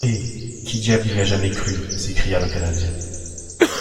Eh ! qui diable y a jamais cru ? s’écria le Canadien.